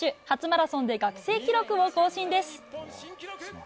初マラソンで学生記録を更新です。